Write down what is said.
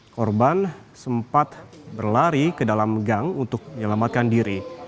korban sempat berlari ke dalam gang untuk menyelamatkan diri